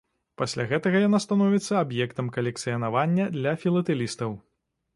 Пасля гэтага яна становіцца аб'ектам калекцыянавання для філатэлістаў.